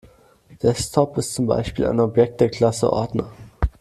Desktop ist zum Beispiel ein Objekt der Klasse Ordner.